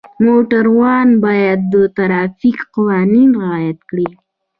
موټروان باید د ټرافیک قوانین رعایت کړي.